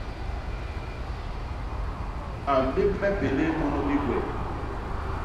A mbép me pélé munu i gwep.